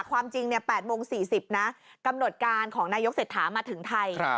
ความจริง๘โมง๔๐นะกำหนดการของนายกเศรษฐามาถึงไทย